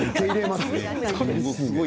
すごい。